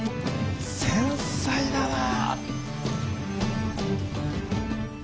繊細だなぁ。